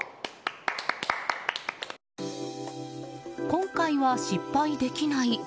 今回は失敗できない。